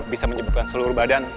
bisa menyebutkan seluruh badan